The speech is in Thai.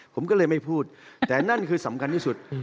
ผมก็เลยไม่พูดแต่นั่นคือสำคัญที่สุด